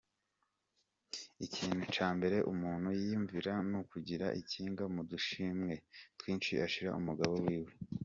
Ikintu ca mbere umuntu yiyumvira n'ukugura ikinga mu dushimwe twinshi ashira umugabo wiwe.